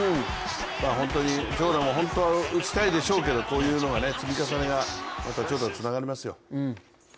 本当は長打も打ちたいでしょうけどこういうものの積み重ねが次につながりますよ。